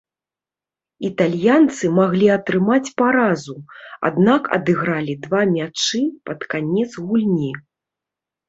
Італьянцы маглі атрымаць паразу, аднак адыгралі два мячы пад канец гульні.